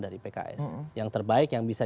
dari pks yang terbaik yang bisa